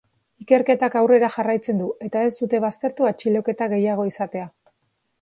Ikerketak aurrera jarraitzen du, eta ez dute baztertu atxiloketa gehiago izatea.